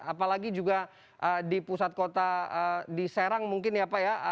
apalagi juga di pusat kota di serang mungkin ya pak ya